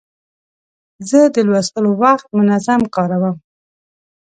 زه د لوستلو وخت منظم کاروم.